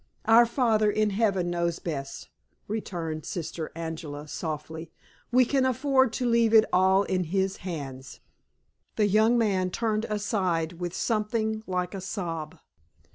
"Our Father in Heaven knows best," returned Sister Angela, softly; "we can afford to leave it all in His hands." The young man turned aside with something like a sob.